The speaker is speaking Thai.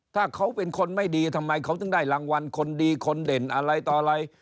ถ้าเขาเป็นคนไม่ดีทำไมเขาถึงได้รางวัลคนดีคนเด่นอะไรต่ออะไร